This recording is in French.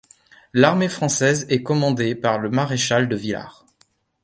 L'armée française est commandée par le maréchal de Villars.